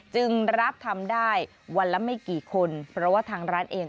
จึงรับทำได้วันละไม่กี่คนเพราะว่าทางร้านเอง